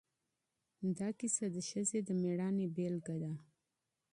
دا کیسه د ښځې د جرأت مثال دی.